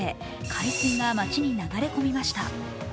海水が街に流れ込みました。